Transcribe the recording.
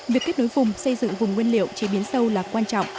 việc kết nối vùng xây dựng vùng nguyên liệu chế biến sâu là quan trọng